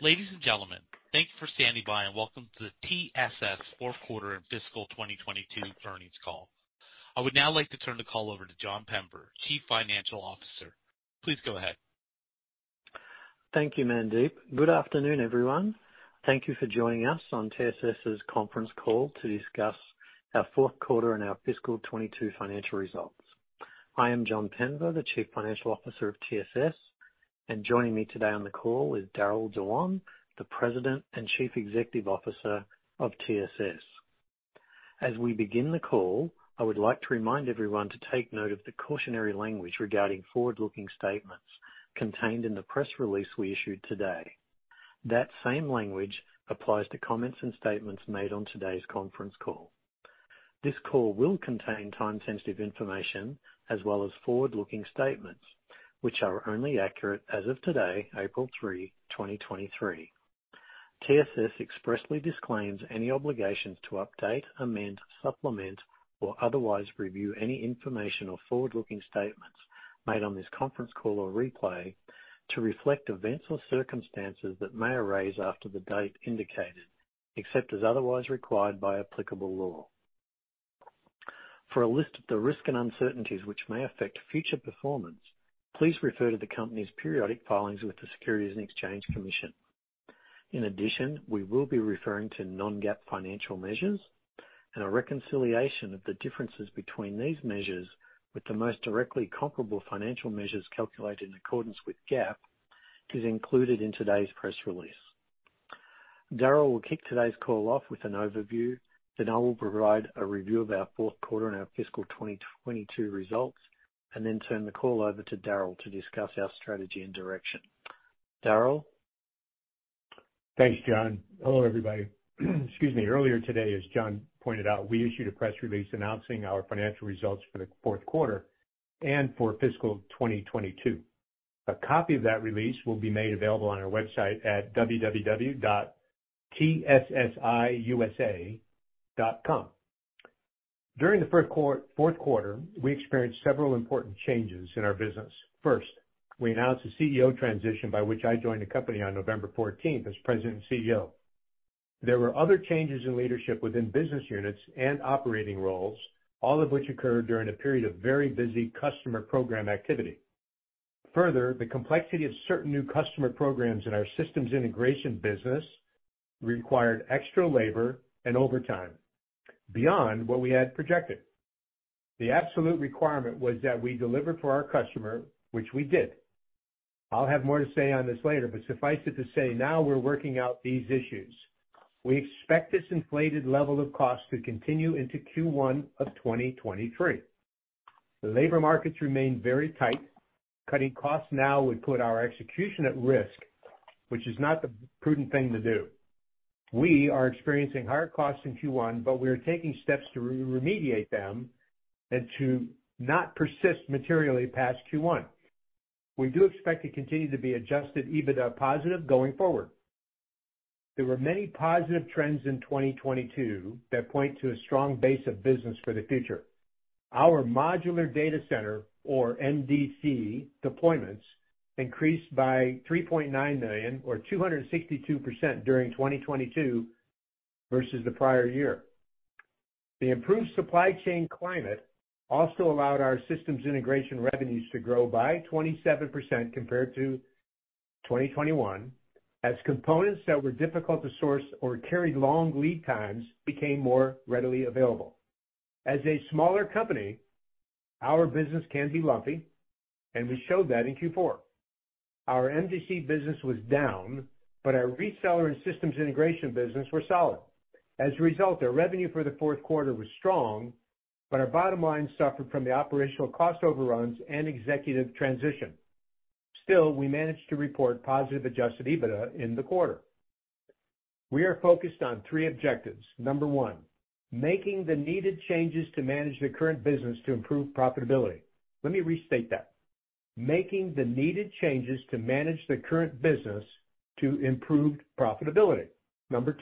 Ladies and gentlemen, thank you for standing by, and welcome to the TSS fourth quarter and fiscal 2022 earnings call. I would now like to turn the call over to John Penver, Chief Financial Officer. Please go ahead. Thank you, Mandeep. Good afternoon, everyone. Thank you for joining us on TSS's conference call to discuss our fourth quarter and our fiscal 22 financial results. I am John Penver, the Chief Financial Officer of TSS, and joining me today on the call is Darryll Dewan, the President and Chief Executive Officer of TSS. As we begin the call, I would like to remind everyone to take note of the cautionary language regarding forward-looking statements contained in the press release we issued today. That same language applies to comments and statements made on today's conference call. This call will contain time-sensitive information as well as forward-looking statements, which are only accurate as of today, April 3, 2023. TSS expressly disclaims any obligations to update, amend, supplement, or otherwise review any information or forward-looking statements made on this conference call or replay to reflect events or circumstances that may arise after the date indicated, except as otherwise required by applicable law. For a list of the risks and uncertainties which may affect future performance, please refer to the company's periodic filings with the Securities and Exchange Commission. We will be referring to non-GAAP financial measures, and a reconciliation of the differences between these measures with the most directly comparable financial measures calculated in accordance with GAAP is included in today's press release. Darryll will kick today's call off with an overview. I will provide a review of our fourth quarter and our fiscal 2022 results, and then turn the call over to Darryll to discuss our strategy and direction. Darryll? Thanks, John. Hello, everybody. Excuse me. Earlier today, as John pointed out, we issued a press release announcing our financial results for the fourth quarter and for fiscal 2022. A copy of that release will be made available on our website at www.tssiusa.com. During the fourth quarter, we experienced several important changes in our business. First, we announced a CEO transition by which I joined the company on November 14th as President and CEO. There were other changes in leadership within business units and operating roles, all of which occurred during a period of very busy customer program activity. The complexity of certain new customer programs in our systems integration business required extra labor and overtime beyond what we had projected. The absolute requirement was that we deliver for our customer, which we did. I'll have more to say on this later, suffice it to say, now we're working out these issues. We expect this inflated level of costs to continue into Q1 of 2023. The labor markets remain very tight. Cutting costs now would put our execution at risk, which is not the prudent thing to do. We are experiencing higher costs in Q1, we are taking steps to remediate them and to not persist materially past Q1. We do expect to continue to be adjusted EBITDA positive going forward. There were many positive trends in 2022 that point to a strong base of business for the future. Our modular data center, or MDC deployments, increased by $3.9 million or 262% during 2022 versus the prior year. The improved supply chain climate also allowed our systems integration revenues to grow by 27% compared to 2021 as components that were difficult to source or carried long lead times became more readily available. As a smaller company, our business can be lumpy, and we showed that in Q4. Our MDC business was down, but our reseller and systems integration business were solid. As a result, our revenue for the fourth quarter was strong, but our bottom line suffered from the operational cost overruns and executive transition. Still, we managed to report positive adjusted EBITDA in the quarter. We are focused on 3 objectives. Number 1, making the needed changes to manage the current business to improve profitability. Let me restate that. Making the needed changes to manage the current business to improved profitability. Number,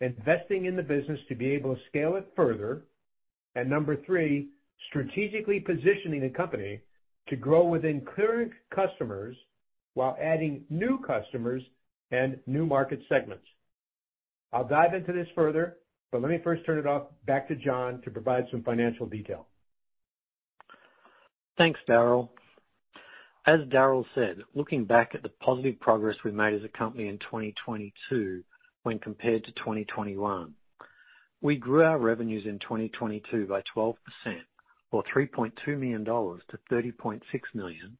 investing in the business to be able to scale it further. Number 3, strategically positioning the company to grow within current customers while adding new customers and new market segments. I'll dive into this further, but let me first turn it off back to John to provide some financial detail. Thanks, Darryll. As Darryll said, looking back at the positive progress we made as a company in 2022 when compared to 2021, we grew our revenues in 2022 by 12% or $3.2 million to $30.6 million.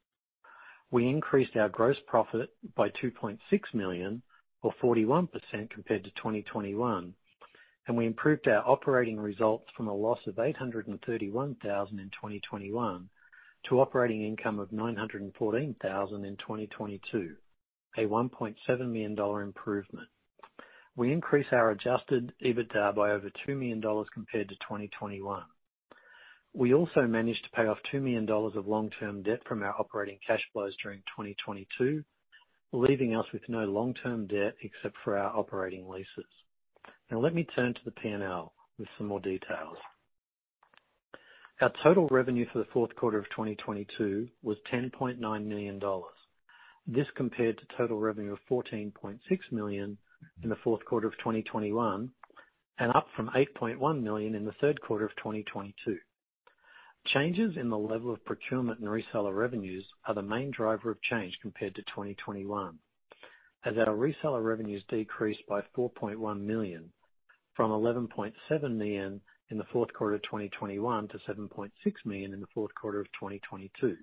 We increased our gross profit by $2.6 million or 41% compared to 2021. We improved our operating results from a loss of $831,000 in 2021 to operating income of $914,000 in 2022, a $1.7 million improvement. We increased our adjusted EBITDA by over $2 million compared to 2021. We also managed to pay off $2 million of long-term debt from our operating cash flows during 2022, leaving us with no long-term debt except for our operating leases. Let me turn to the P&L with some more details. Our total revenue for the fourth quarter of 2022 was $10.9 million. This compared to total revenue of $14.6 million in the fourth quarter of 2021 and up from $8.1 million in the third quarter of 2022. Changes in the level of procurement and reseller revenues are the main driver of change compared to 2021, as our reseller revenues decreased by $4.1 million from $11.7 million in the fourth quarter of 2021 to $7.6 million in the fourth quarter of 2022.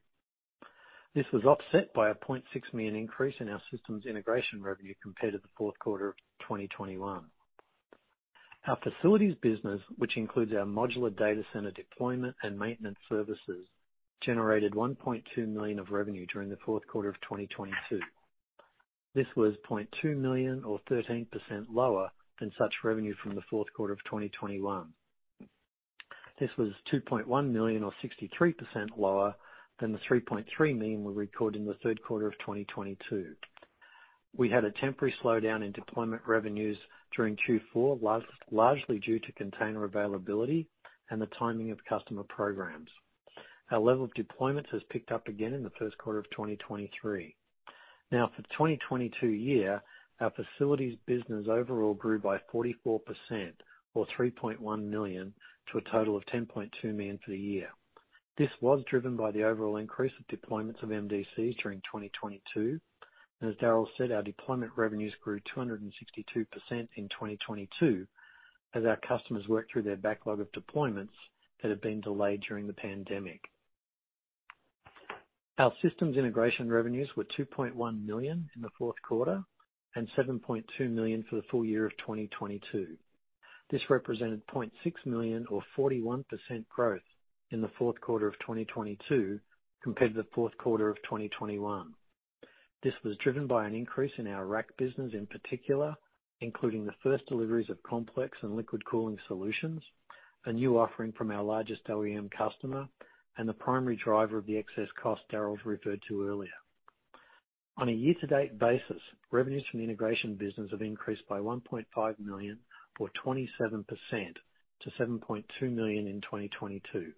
This was offset by a $0.6 million increase in our systems integration revenue compared to the fourth quarter of 2021. Our facilities business, which includes our modular data center deployment and maintenance services, generated $1.2 million of revenue during the fourth quarter of 2022. This was $0.2 million or 13% lower than such revenue from the fourth quarter of 2021. This was $2.1 million or 63% lower than the $3.3 million we recorded in the third quarter of 2022. We had a temporary slowdown in deployment revenues during Q4, largely due to container availability and the timing of customer programs. Our level of deployments has picked up again in the first quarter of 2023. For the 2022 year, our facilities business overall grew by 44% or $3.1 million to a total of $10.2 million for the year. This was driven by the overall increase of deployments of MDCs during 2022. As Darryll said, our deployment revenues grew 262% in 2022 as our customers worked through their backlog of deployments that had been delayed during the pandemic. Our systems integration revenues were $2.1 million in the fourth quarter and $7.2 million for the full year of 2022. This represented $0.6 million or 41% growth in the fourth quarter of 2022 compared to the fourth quarter of 2021. This was driven by an increase in our rack business in particular, including the first deliveries of complex and liquid cooling solutions, a new offering from our largest OEM customer and the primary driver of the excess cost Darryll referred to earlier. On a year-to-date basis, revenues from the integration business have increased by $1.5 million or 27% to $7.2 million in 2022.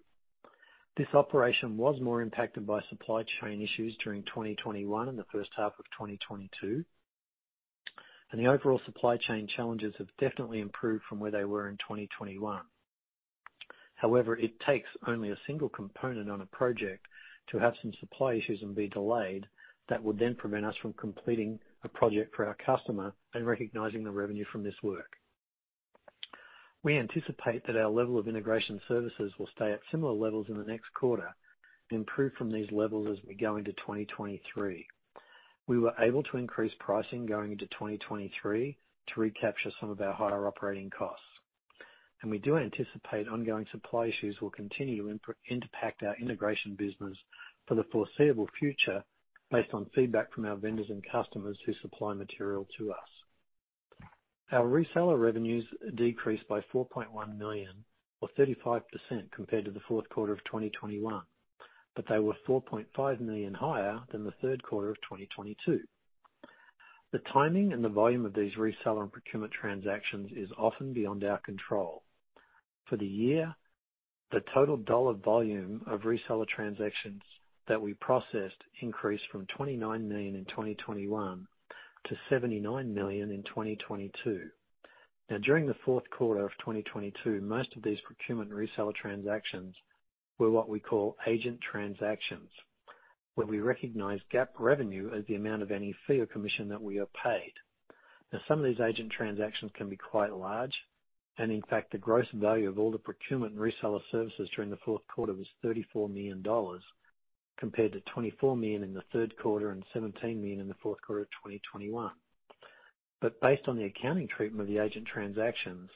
This operation was more impacted by supply chain issues during 2021 and the first half of 2022. The overall supply chain challenges have definitely improved from where they were in 2021. However, it takes only a single component on a project to have some supply issues and be delayed that would then prevent us from completing a project for our customer and recognizing the revenue from this work. We anticipate that our level of integration services will stay at similar levels in the next quarter and improve from these levels as we go into 2023. We were able to increase pricing going into 2023 to recapture some of our higher operating costs. We do anticipate ongoing supply issues will continue to impact our integration business for the foreseeable future based on feedback from our vendors and customers who supply material to us. Our reseller revenues decreased by $4.1 million or 35% compared to the fourth quarter of 2021. They were $4.5 million higher than the third quarter of 2022. The timing and the volume of these reseller and procurement transactions is often beyond our control. For the year, the total dollar volume of reseller transactions that we processed increased from $29 million in 2021 to $79 million in 2022. During the fourth quarter of 2022, most of these procurement and reseller transactions were what we call agent transactions, where we recognize GAAP revenue as the amount of any fee or commission that we are paid. Some of these agent transactions can be quite large, and in fact, the gross value of all the procurement and reseller services during the fourth quarter was $34 million, compared to $24 million in the third quarter and $17 million in the fourth quarter of 2021. Based on the accounting treatment of the agent transactions,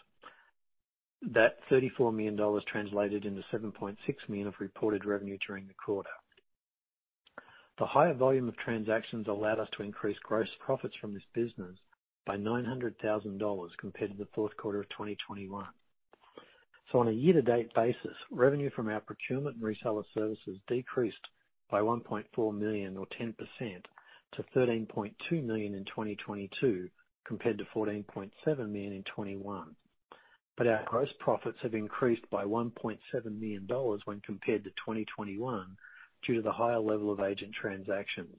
that $34 million translated into $7.6 million of reported revenue during the quarter. The higher volume of transactions allowed us to increase gross profits from this business by $900,000 compared to the fourth quarter of 2021. On a year-to-date basis, revenue from our procurement and reseller services decreased by $1.4 million or 10% to $13.2 million in 2022, compared to $14.7 million in 2021. Our gross profits have increased by $1.7 million when compared to 2021 due to the higher level of agent transactions.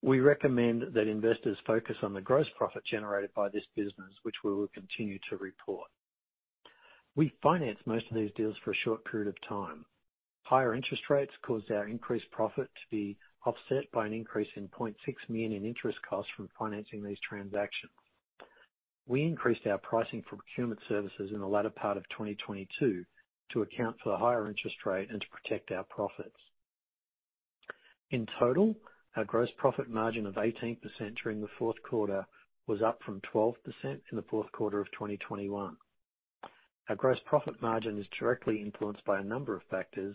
We recommend that investors focus on the gross profit generated by this business, which we will continue to report. We finance most of these deals for a short period of time. Higher interest rates caused our increased profit to be offset by an increase in $0.6 million in interest costs from financing these transactions. We increased our pricing for procurement services in the latter part of 2022 to account for the higher interest rate and to protect our profits. In total, our gross profit margin of 18% during the Q4 was up from 12% in the Q4 of 2021. Our gross profit margin is directly influenced by a number of factors,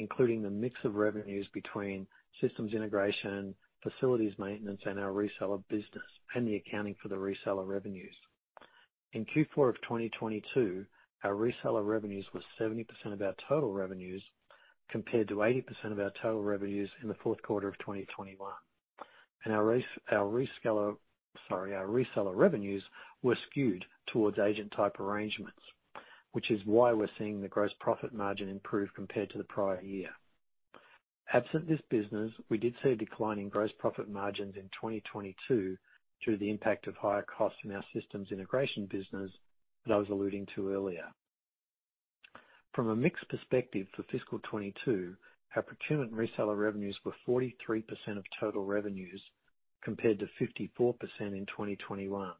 including the mix of revenues between systems integration, facilities maintenance, and our reseller business, and the accounting for the reseller revenues. In Q4 of 2022, our reseller revenues were 70% of our total revenues, compared to 80% of our total revenues in the Q4 of 2021. Our reseller revenues were skewed towards agent type arrangements, which is why we're seeing the gross profit margin improve compared to the prior year. Absent this business, we did see a decline in gross profit margins in 2022 due to the impact of higher costs in our systems integration business that I was alluding to earlier. From a mix perspective for fiscal 2022, our pertinent reseller revenues were 43% of total revenues compared to 54% in 2021.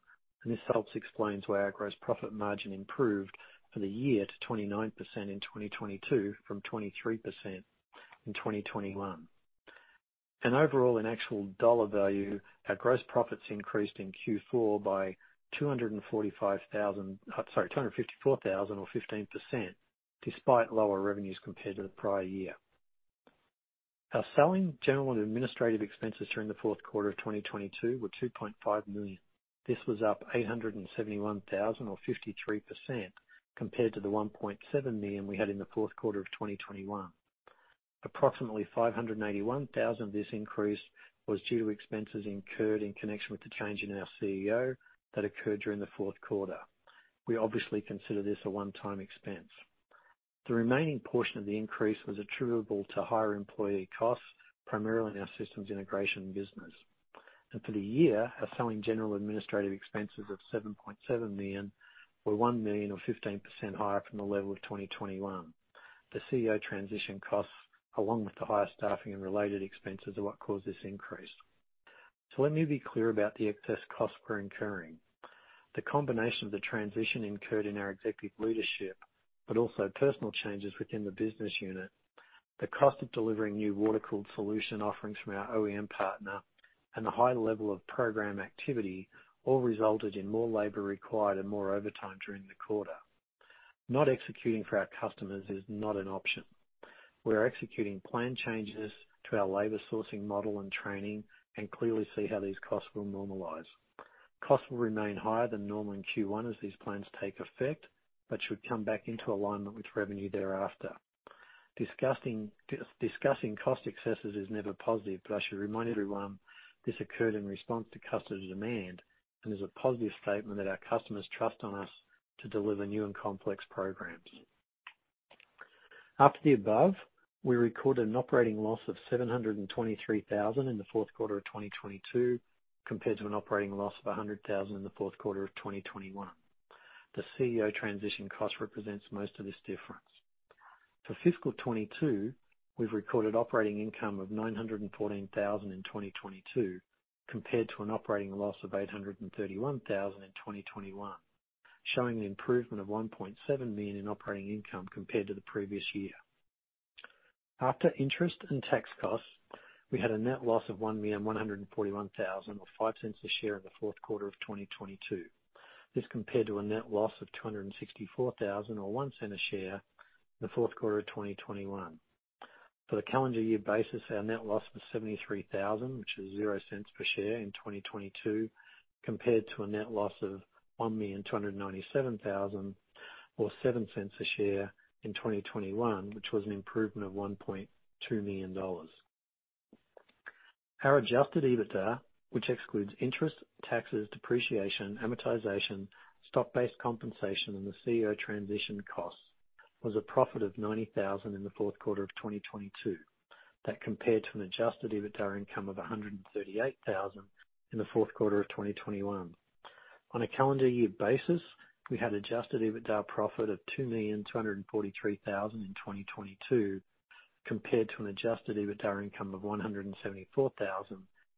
This helps explains why our gross profit margin improved for the year to 29% in 2022 from 23% in 2021. Overall, in actual dollar value, our gross profits increased in Q4 by $254,000 or 15% despite lower revenues compared to the prior year. Our selling, general and administrative expenses during the fourth quarter of 2022 were $2.5 million. This was up 871,000 or 53% compared to the $1.7 million we had in the fourth quarter of 2021. Approximately 581,000 of this increase was due to expenses incurred in connection with the change in our CEO that occurred during the fourth quarter. We obviously consider this a one-time expense. The remaining portion of the increase was attributable to higher employee costs, primarily in our systems integration business. For the year, our SG&A expenses of $7.7 million were $1 million or 15% higher from the level of 2021. The CEO transition costs, along with the higher staffing and related expenses, are what caused this increase. Let me be clear about the excess costs we're incurring. The combination of the transition incurred in our executive leadership, but also personal changes within the business unit, the cost of delivering new water-cooled solution offerings from our OEM partner, and the high level of program activity all resulted in more labor required and more overtime during the quarter. Not executing for our customers is not an option. We are executing planned changes to our labor sourcing model and training and clearly see how these costs will normalize. Costs will remain higher than normal in Q1 as these plans take effect, but should come back into alignment with revenue thereafter. Discussing cost excesses is never positive, but I should remind everyone this occurred in response to customer demand and is a positive statement that our customers trust on us to deliver new and complex programs. After the above, we recorded an operating loss of $723,000 in the fourth quarter of 2022, compared to an operating loss of $100,000 in the fourth quarter of 2021. The CEO transition cost represents most of this difference. For fiscal 2022, we've recorded operating income of $914,000 in 2022 compared to an operating loss of $831,000 in 2021, showing the improvement of $1.7 million in operating income compared to the previous year. After interest and tax costs, we had a net loss of $1,141,000 or $0.05 a share in the fourth quarter of 2022. This compared to a net loss of $264,000 or $0.01 a share in the fourth quarter of 2021. For the calendar year basis, our net loss was $73,000, which is $0.00 per share in 2022 compared to a net loss of $1,297,000 or $0.07 a share in 2021, which was an improvement of $1.2 million. Our adjusted EBITDA, which excludes interest, taxes, depreciation, amortization, stock-based compensation, and the CEO transition costs, was a profit of $90,000 in the fourth quarter of 2022. That compared to an adjusted EBITDA income of $138,000 in the fourth quarter of 2021. On a calendar year basis, we had adjusted EBITDA profit of $2,243,000 in 2022 compared to an adjusted EBITDA income of $174,000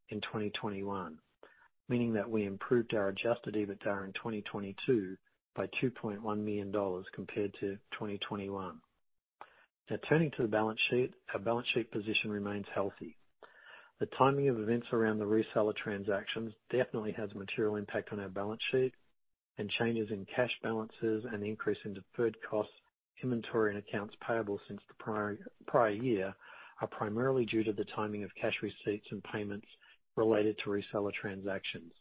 in 2021, meaning that we improved our adjusted EBITDA in 2022 by $2.1 million compared to 2021. Our balance sheet position remains healthy. The timing of events around the reseller transactions definitely has material impact on our balance sheet and changes in cash balances and increase in deferred costs, inventory, and accounts payable since the prior year are primarily due to the timing of cash receipts and payments related to reseller transactions.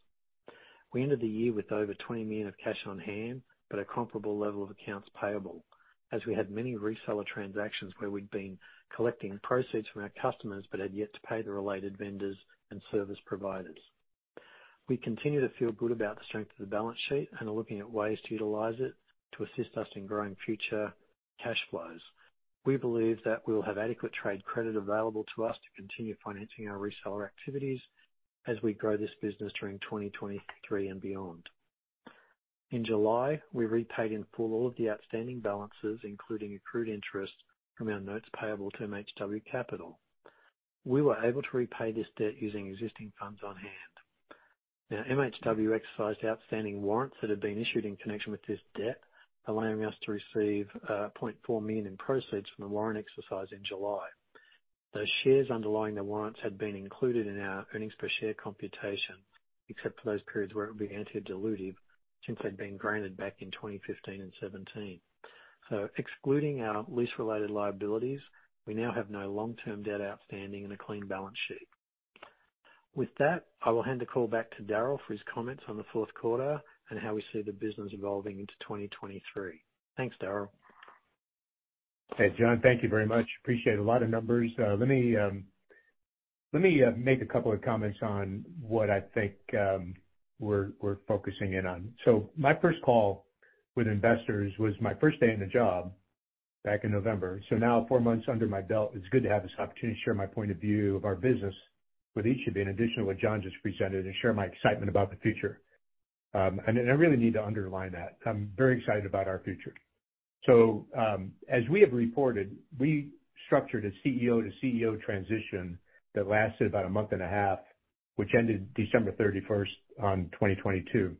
We ended the year with over $20 million of cash on hand, but a comparable level of accounts payable as we had many reseller transactions where we'd been collecting proceeds from our customers, but had yet to pay the related vendors and service providers. We continue to feel good about the strength of the balance sheet and are looking at ways to utilize it to assist us in growing future cash flows. We believe that we'll have adequate trade credit available to us to continue financing our reseller activities as we grow this business during 2023 and beyond. In July, we repaid in full all of the outstanding balances, including accrued interest from our notes payable to MHW Capital. We were able to repay this debt using existing funds on hand. Now, MHW exercised outstanding warrants that had been issued in connection with this debt, allowing us to receive $0.4 million in proceeds from the warrant exercise in July. Those shares underlying the warrants had been included in our earnings per share computation, except for those periods where it would be anti-dilutive since they'd been granted back in 2015 and 2017. Excluding our lease related liabilities, we now have no long-term debt outstanding and a clean balance sheet. With that, I will hand the call back to Darryll for his comments on the fourth quarter and how we see the business evolving into 2023. Thanks, Darryll. Hey, John, thank you very much. Appreciate a lot of numbers. let me make a couple of comments on what I think we're focusing in on. My first call with investors was my first day in the job back in November. Now four months under my belt, it's good to have this opportunity to share my point of view of our business with each of you in addition to what John just presented, and share my excitement about the future. I really need to underline that I'm very excited about our future. As we have reported, we structured a CEO to CEO transition that lasted about a month and a half, which ended December thirty-first, 2022.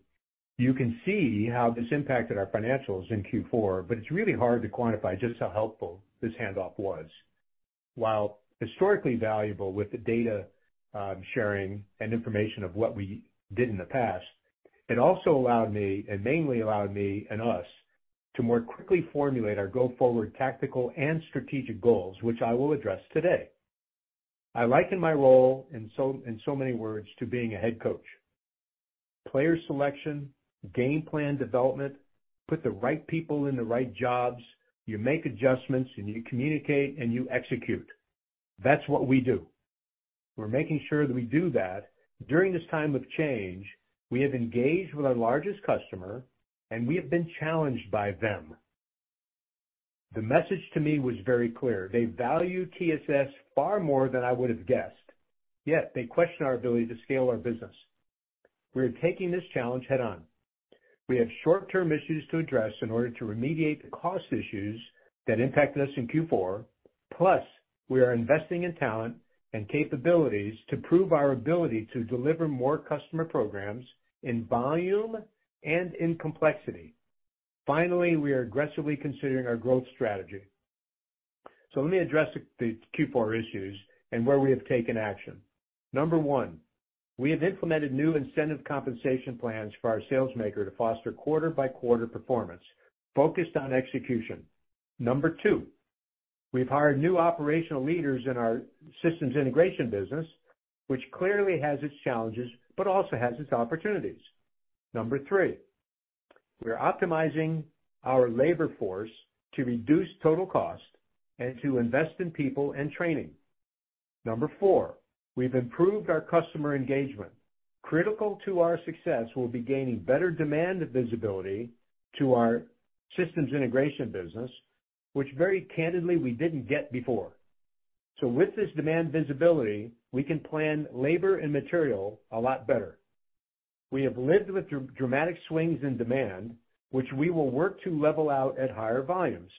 You can see how this impacted our financials in Q4. It's really hard to quantify just how helpful this handoff was. While historically valuable with the data, sharing and information of what we did in the past, it also allowed me, and mainly allowed me and us to more quickly formulate our go-forward tactical and strategic goals, which I will address today. I liken my role in so many words to being a head coach. Player selection, game plan development, put the right people in the right jobs, you make adjustments, and you communicate, and you execute. That's what we do. We're making sure that we do that. During this time of change, we have engaged with our largest customer, and we have been challenged by them. The message to me was very clear: they value TSS far more than I would have guessed, yet they question our ability to scale our business. We are taking this challenge head on. We have short-term issues to address in order to remediate the cost issues that impacted us in Q4. We are investing in talent and capabilities to prove our ability to deliver more customer programs in volume and in complexity. Finally, we are aggressively considering our growth strategy. Let me address the Q4 issues and where we have taken action. Number 1, we have implemented new incentive compensation plans for our sales maker to foster quarter by quarter performance focused on execution. Number 2, we've hired new operational leaders in our systems integration business, which clearly has its challenges, but also has its opportunities. Number 3, we are optimizing our labor force to reduce total cost and to invest in people and training. Number 4, we've improved our customer engagement. Critical to our success will be gaining better demand visibility to our systems integration business, which very candidly we didn't get before. With this demand visibility, we can plan labor and material a lot better. We have lived with dramatic swings in demand, which we will work to level out at higher volumes.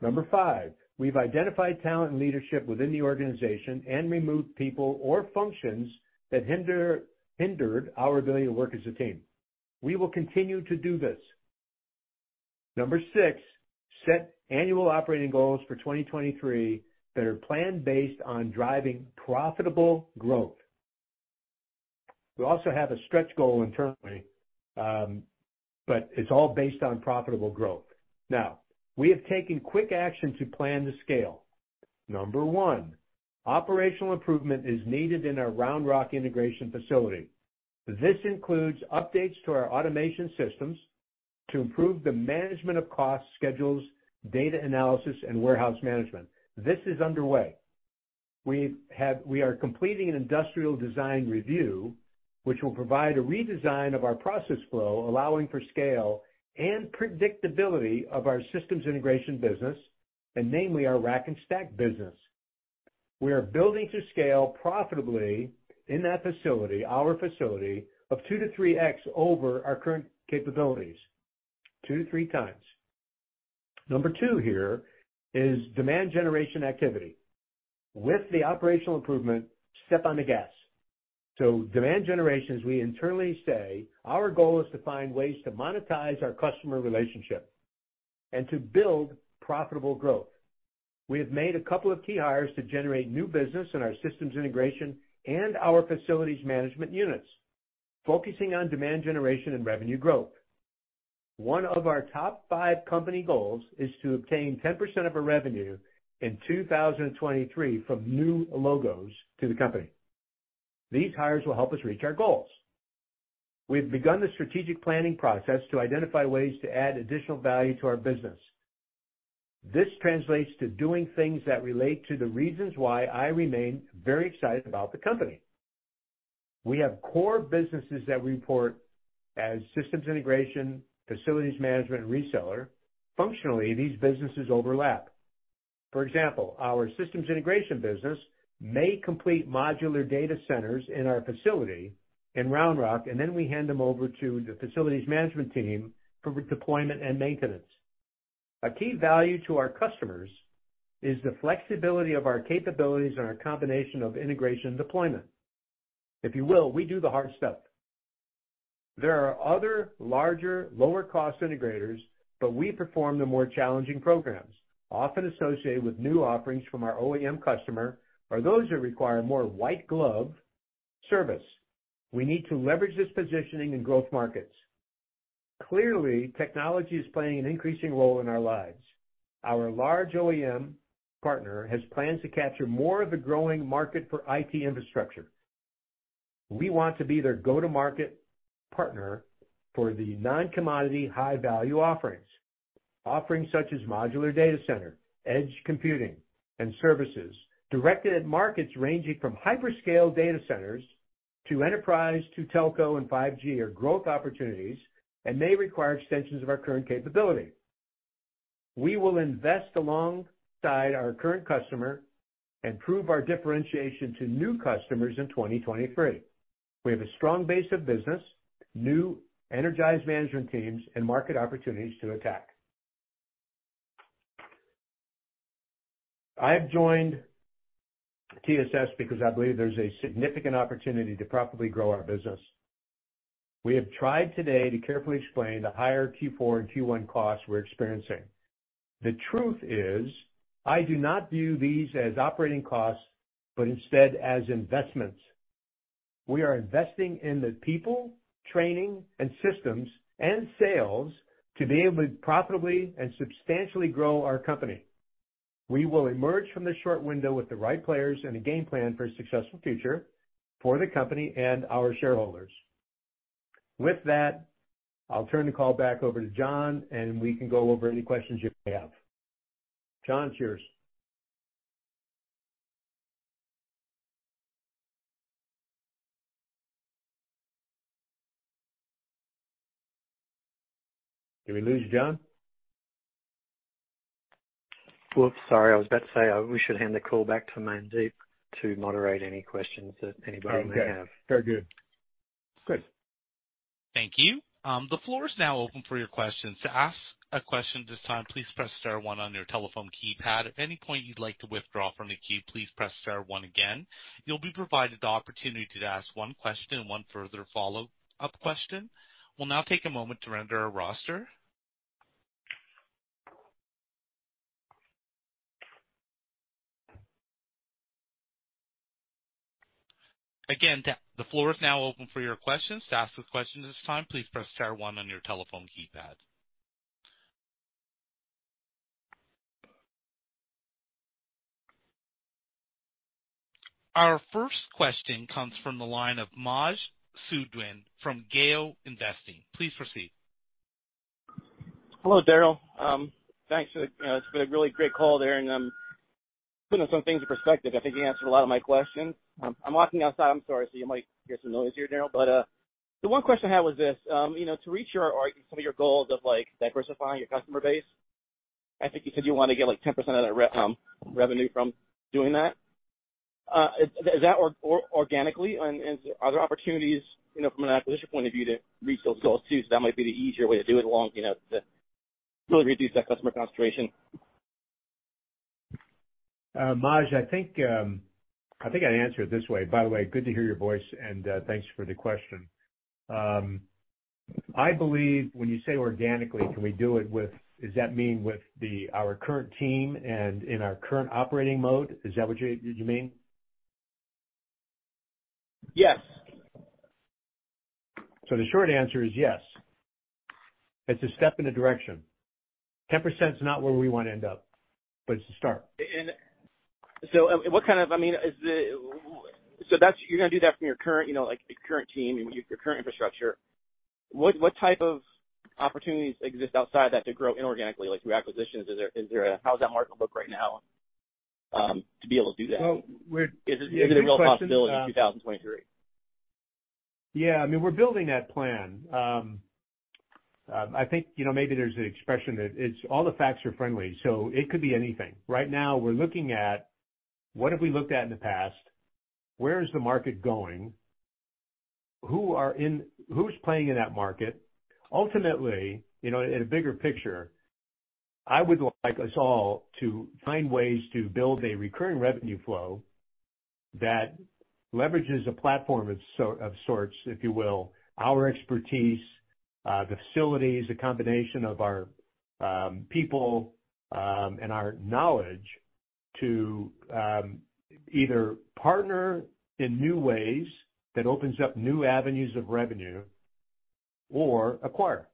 Number 5, we've identified talent and leadership within the organization and removed people or functions that hindered our ability to work as a team. We will continue to do this. Number 6, set annual operating goals for 2023 that are planned based on driving profitable growth. We also have a stretch goal internally, but it's all based on profitable growth. We have taken quick action to plan the scale. Number 1, operational improvement is needed in our Round Rock integration facility. This includes updates to our automation systems to improve the management of cost schedules, data analysis, and warehouse management. This is underway. We are completing an industrial design review, which will provide a redesign of our process flow, allowing for scale and predictability of our systems integration business, and namely, our rack and stack business. We are building to scale profitably in that facility, our facility, of 2 to 3x over our current capabilities, 2 to 3 times. Number 2 here is demand generation activity. With the operational improvement, step on the gas. Demand generation, as we internally say, our goal is to find ways to monetize our customer relationship and to build profitable growth. We have made a couple of key hires to generate new business in our systems integration and our facilities management units, focusing on demand generation and revenue growth. One of our top five company goals is to obtain 10% of our revenue in 2023 from new logos to the company. These hires will help us reach our goals. We've begun the strategic planning process to identify ways to add additional value to our business. This translates to doing things that relate to the reasons why I remain very excited about the company. We have core businesses that we report as systems integration, facilities management, and reseller. Functionally, these businesses overlap. For example, our systems integration business may complete modular data centers in our facility in Round Rock, and then we hand them over to the facilities management team for deployment and maintenance. A key value to our customers is the flexibility of our capabilities and our combination of integration deployment. If you will, we do the hard stuff. There are other larger, lower cost integrators, but we perform the more challenging programs often associated with new offerings from our OEM customer or those that require more white glove service. We need to leverage this positioning in growth markets. Clearly, technology is playing an increasing role in our lives. Our large OEM partner has plans to capture more of the growing market for IT infrastructure. We want to be their go-to-market partner for the non-commodity high-value offerings. Offerings such as modular data center, edge computing, and services directed at markets ranging from hyperscale data centers to enterprise to telco and 5G are growth opportunities and may require extensions of our current capability. We will invest alongside our current customer and prove our differentiation to new customers in 2023. We have a strong base of business, new energized management teams, and market opportunities to attack. I've joined TSS because I believe there's a significant opportunity to profitably grow our business. We have tried today to carefully explain the higher Q4 and Q1 costs we're experiencing. The truth is, I do not view these as operating costs, but instead as investments. We are investing in the people, training, and systems, and sales to be able to profitably and substantially grow our company. We will emerge from this short window with the right players and a game plan for a successful future for the company and our shareholders. With that, I'll turn the call back over to John, and we can go over any questions you may have. John, it's yours. Did we lose you, John? Well, sorry. I was about to say, we should hand the call back to Mandeep to moderate any questions that anybody may have. Oh, okay. Very good. Good. Thank you. The floor is now open for your questions. To ask a question at this time, please press star one on your telephone keypad. At any point you'd like to withdraw from the queue, please press star one again. You'll be provided the opportunity to ask one question and one further follow-up question. We'll now take a moment to render our roster. Again, the floor is now open for your questions. To ask a question at this time, please press star one on your telephone keypad. Our first question comes from the line of Maj Soueidan from GeoInvesting. Please proceed. Hello, Darryll. Thanks. It, you know, it's been a really great call there, and, putting some things in perspective. I think you answered a lot of my questions. I'm walking outside, I'm sorry, so you might hear some noise here, Darryll. The one question I had was this, you know, to reach your or some of your goals of like diversifying your customer base, I think you said you wanna get like 10% of that revenue from doing that. Is that organically, and are there opportunities, you know, from an acquisition point of view to reach those goals too? That might be the easier way to do it along, you know, to really reduce that customer concentration. Maj, I think, I think I'd answer it this way. By the way, good to hear your voice and thanks for the question. I believe when you say organically, can we do it does that mean with the, our current team and in our current operating mode? Is that what you mean? Yes. The short answer is yes. It's a step in the direction. 10% is not where we wanna end up, but it's a start. What kind of... I mean, is it... so that's you're gonna do that from your current, you know, like, your current team and your current infrastructure? What type of opportunities exist outside that to grow inorganically? Like through acquisitions. Is there how's that market look right now to be able to do that? Well. Is it a real possibility in 2023? Yeah. I mean, we're building that plan. I think, you know, maybe there's an expression that it's all the facts are friendly, so it could be anything. Right now, we're looking at what have we looked at in the past? Where is the market going? Who's playing in that market? Ultimately, you know, in a bigger picture, I would like us all to find ways to build a recurring revenue flow that leverages a platform of sort, of sorts, if you will, our expertise, the facilities, a combination of our people, and our knowledge to either partner in new ways that opens up new avenues of revenue or acquire.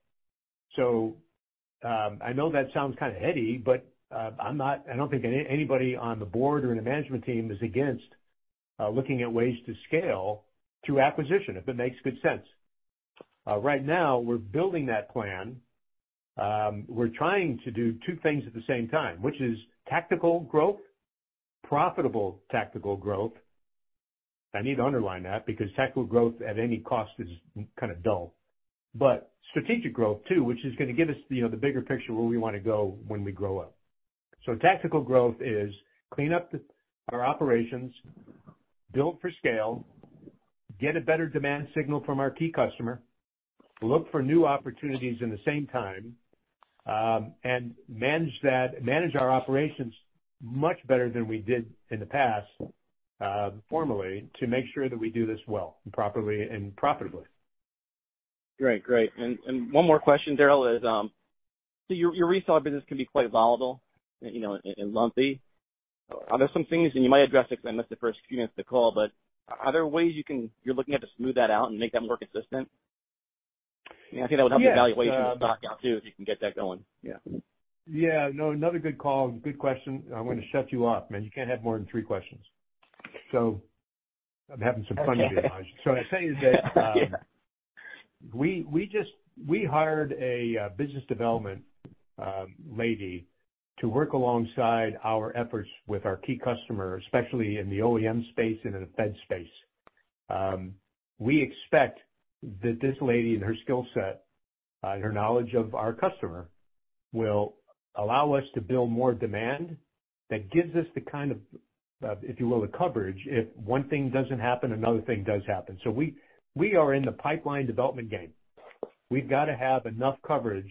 I know that sounds kinda heady, but I don't think anybody on the board or in the management team is against looking at ways to scale through acquisition if it makes good sense. Right now, we're building that plan. We're trying to do two things at the same time, which is tactical growth, profitable tactical growth. I need to underline that because tactical growth at any cost is kinda dull. Strategic growth too, which is gonna give us, you know, the bigger picture of where we wanna go when we grow up. Tactical growth is clean up the, our operations, build for scale, get a better demand signal from our key customer, look for new opportunities in the same time, and manage our operations much better than we did in the past, formally, to make sure that we do this well and properly and profitably. Great. Great. One more question, Darryll, is, so your reseller business can be quite volatile, you know, and lumpy. Are there some things, and you might address it because I missed the first few minutes of the call, but are there ways you're looking at to smooth that out and make that more consistent? Yeah, I think that would help the valuation of the stock out too, if you can get that going. Yeah. Yeah. Another good call. Good question. I'm gonna shut you up, man. You can't have more than 3 questions. I'm having some fun here. I tell you that, we hired a business development lady to work alongside our efforts with our key customer, especially in the OEM space and in the Fed space. We expect that this lady and her skill set, her knowledge of our customer will allow us to build more demand. That gives us the kind of, if you will, the coverage. If one thing doesn't happen, another thing does happen. We are in the pipeline development game. We've got to have enough coverage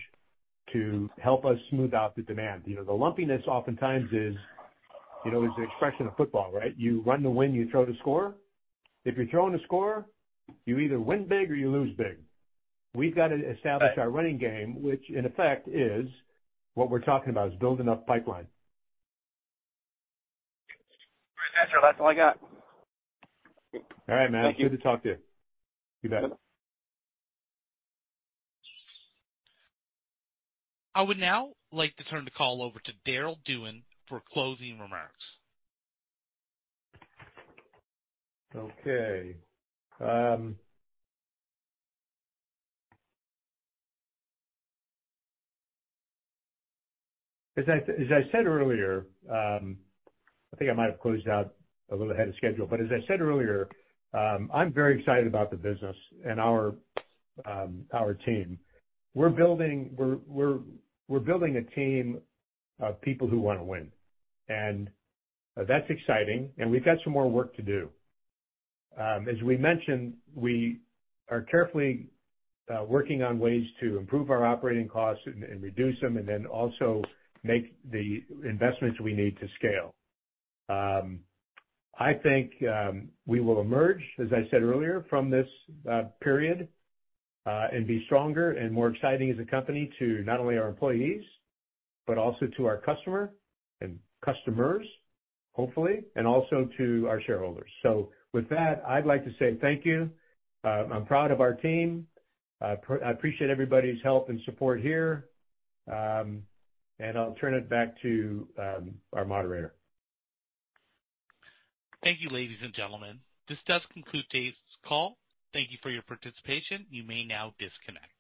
to help us smooth out the demand. You know, the lumpiness oftentimes is, you know, is the expression of football, right? You run to win, you throw to score. If you're throwing to score, you either win big or you lose big. We've got to establish our running game, which in effect is what we're talking about, is building up pipeline. Appreciate you. That's all I got. All right, man. Thank you. Good to talk to you. You bet. I would now like to turn the call over to Darryll Dewan for closing remarks. Okay. As I, as I said earlier, I think I might have closed out a little ahead of schedule, but as I said earlier, I'm very excited about the business and our team. We're building a team of people who wanna win, and that's exciting. We've got some more work to do. As we mentioned, we are carefully working on ways to improve our operating costs and reduce them and then also make the investments we need to scale. I think we will emerge, as I said earlier, from this period, and be stronger and more exciting as a company to not only our employees but also to our customer and customers, hopefully, and also to our shareholders. With that, I'd like to say thank you. I'm proud of our team. I appreciate everybody's help and support here. I'll turn it back to our moderator. Thank you, ladies and gentlemen. This does conclude today's call. Thank you for your participation. You may now disconnect.